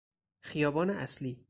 خیابان اصلی